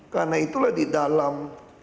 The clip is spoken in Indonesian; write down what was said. karena itulah didalam